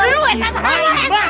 lo yang setan